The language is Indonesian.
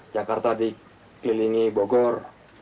jakarta dikelilingi bogor